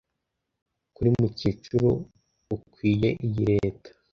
kuri, mukecuru, ukwiye iyi leta